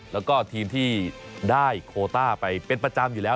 แล้วก็ทีมที่ได้โคต้าไปเป็นประจำอยู่แล้ว